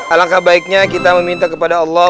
alangkah baiknya kita meminta kepada allah